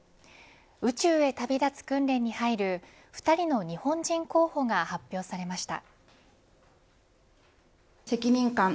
宇宙へ旅立つ訓練に入る２人の日本人候補が発表されました。